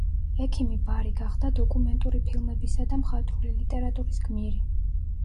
ექიმი ბარი გახდა დოკუმენტური ფილმებისა და მხატვრული ლიტერატურის გმირი.